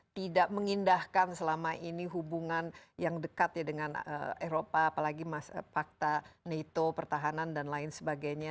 tidak mengindahkan selama ini hubungan yang dekat ya dengan eropa apalagi fakta nato pertahanan dan lain sebagainya